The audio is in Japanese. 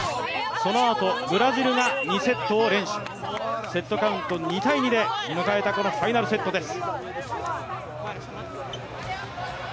そのあと、ブラジルが２セットを連取、セットカウント２−２で迎えたこのファイナルセットです。